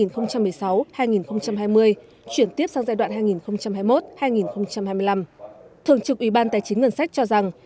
giai đoạn hai nghìn một mươi sáu hai nghìn hai mươi chuyển tiếp sang giai đoạn hai nghìn hai mươi một hai nghìn hai mươi năm thường trực ủy ban tài chính ngân sách cho rằng